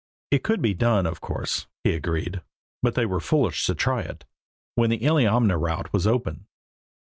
It could be done, of course, he agreed, but they were foolish to try it, when the Illiamna route was open.